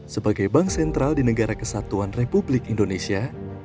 sebagai bank sentral di negara kesatuan republik indonesia